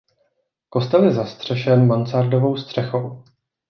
Kostel je zastřešen mansardovou střechou.